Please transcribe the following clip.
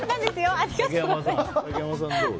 ありがとうございます。